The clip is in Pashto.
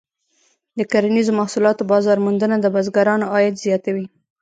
د کرنیزو محصولاتو بازار موندنه د بزګرانو عاید زیاتوي.